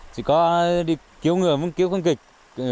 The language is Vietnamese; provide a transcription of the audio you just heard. chỉ có đi cứu ngựa vẫn cứu không kịch